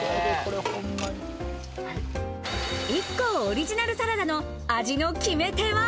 ＩＫＫＯオリジナルサラダの味の決め手は？